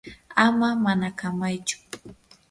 ama manakamaychu.